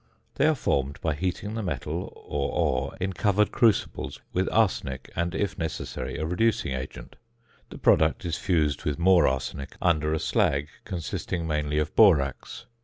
They are formed by heating the metal or ore in covered crucibles with arsenic and, if necessary, a reducing agent. The product is fused with more arsenic under a slag, consisting mainly of borax.